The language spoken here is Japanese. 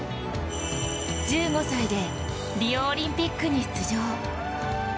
１５歳で、リオオリンピックに出場。